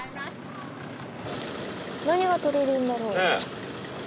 何がとれるんだろう？ね。